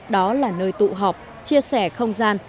đó là nơi tụ họp chia sẻ không gian